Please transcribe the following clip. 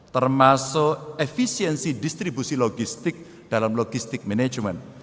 termasuk efisiensi distribusi logistik dalam logistik manajemen